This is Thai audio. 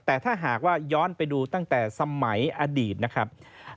แต่ถ้าหากว่าย้อนไปดูตั้งแต่สมัยอดีตนะครับ